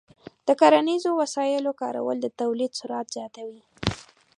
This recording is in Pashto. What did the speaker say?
د کرنیزو وسایلو کارول د تولید سرعت زیاتوي.